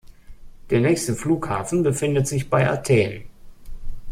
Der nächste Flughafen befindet sich bei Athen.